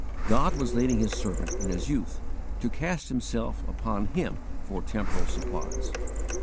God was leading His servant in his youth to _cast himself upon Him for temporal supplies.